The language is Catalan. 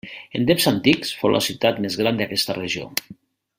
En temps antics fou la ciutat més gran d'aquesta regió.